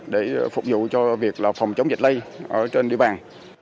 để phục vụ cho việc phòng chống dịch lây ở trên địa bàn